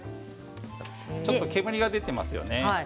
ちょっと煙が出ていますよね。